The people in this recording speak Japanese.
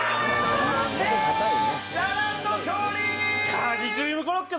カニクリームコロッケ。